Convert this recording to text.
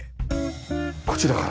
こちらから？